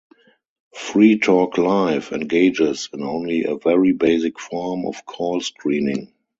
"Free Talk Live" engages in only a very basic form of call screening.